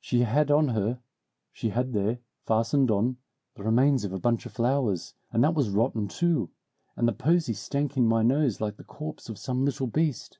She had on her she had there, fastened on, the remains of a bunch of flowers, and that was rotten, too, and the posy stank in my nose like the corpse of some little beast.